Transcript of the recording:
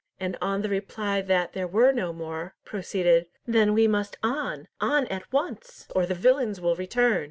and on the reply that there were no more, proceeded, "Then we must on, on at once, or the villains will return!